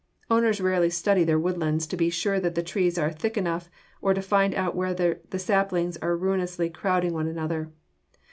Owners rarely study their woodlands to be sure that the trees are thick enough, or to find out whether the saplings are ruinously crowding one another.